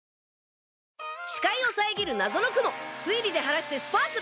視界を遮る謎の雲推理で晴らしてスパークル！